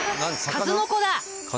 数の子だ！